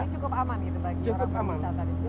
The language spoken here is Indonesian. ini cukup aman gitu bagi orang pengwisata di sini